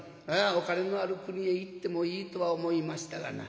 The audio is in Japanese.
お金のある国へ行ってもいいとは思いましたがな